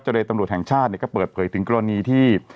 เรตำรวจแห่งชาติก็เปิดเผยถึงกรณีที่